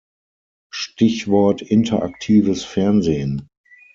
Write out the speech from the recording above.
Stichwort interaktives Fernsehen.